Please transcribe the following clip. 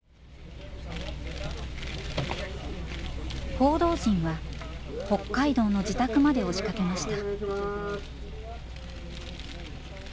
報道陣は北海道の自宅まで押しかけました。